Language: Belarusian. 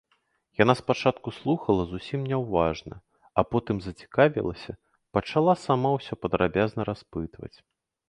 Яна спачатку слухала зусім няўважна, а потым зацікавілася, пачала сама ўсё падрабязна распытваць.